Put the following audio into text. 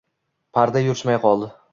Parda yurishmay qoldi.